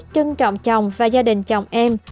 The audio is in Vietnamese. trân trọng chồng và gia đình chồng em